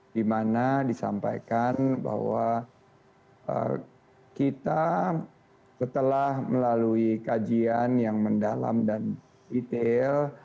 dimana disampaikan bahwa kita setelah melalui kajian yang mendalam dan detail